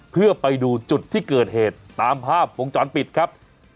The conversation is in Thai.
เพื่อไปดูจุดที่เกิดเหตุตามภาพวงจรปิดครับ